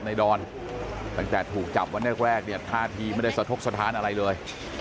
ดอนตั้งแต่ถูกจับวันแรกเนี่ยท่าทีไม่ได้สะทกสถานอะไรเลย